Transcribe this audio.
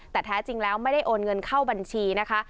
แต่แท้จริงแล้วไม่ได้โอนเงินเข้าบัญชีนะคะ